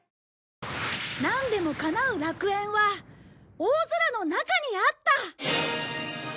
なんでもかなう楽園は大空の中にあった！